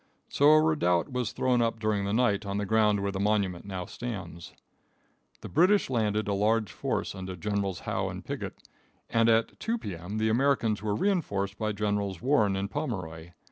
So a redoubt was thrown up during the night on the ground where the monument now stands. The British landed a large force under Generals Howe and Pigot, and at 2 P.M. the Americans were reinforced by Generals Warren and Pomeroy.